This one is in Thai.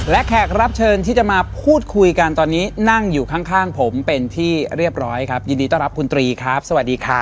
และแขกรับเชิญที่จะมาพูดคุยกันตอนนี้นั่งอยู่ข้างข้างผมเป็นที่เรียบร้อยครับยินดีต้อนรับคุณตรีครับสวัสดีครับ